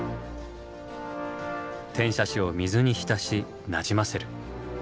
転写紙を水に浸しなじませる。